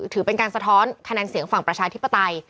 ถือเป็นการสะท้อนคะแนนเสียงฝั่งประชาธิปไตย